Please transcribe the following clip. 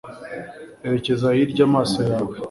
Erekeza hirya amaso yawe